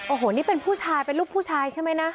โอ้โหนี่เป็นผู้ชายเป็นลูกผู้ชายใช่ไหมนะ